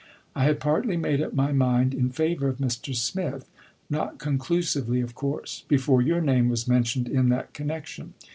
I had partly made up my mind in favor of Mr. Smith — not conclusively, of course — before your name was mentioned in that connection.